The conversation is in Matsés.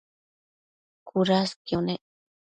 cudasquio nec